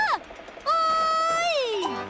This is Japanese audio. おい！